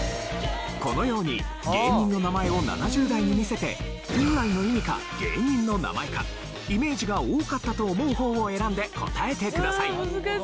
このように芸人の名前を７０代に見せて本来の意味か芸人の名前かイメージが多かったと思う方を選んで答えてください。